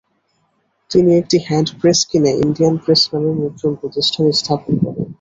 তিনি একটি hand press কিনে "ইন্ডিয়ান প্রেস" নামের মুদ্রণপ্রতিষ্ঠান স্থাপন করেন।